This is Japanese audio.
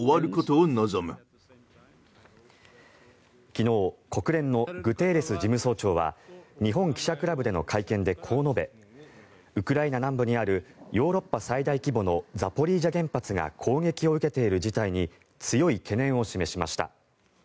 昨日国連のグテーレス事務総長は日本記者クラブでの会見でこう述べウクライナ南部にあるヨーロッパ最大規模のザポリージャ原発が攻撃を受けている事態に強い懸念を示しました。